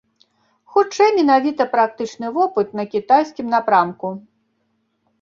Хутчэй, менавіта практычны вопыт на кітайскім напрамку.